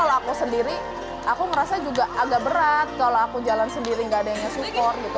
karena kalau aku sendiri aku ngerasa juga agak berat kalau aku jalan sendiri gak ada yang support